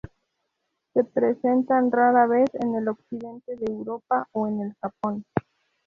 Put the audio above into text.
Se presentan rara vez en el occidente de Europa o en el Japón.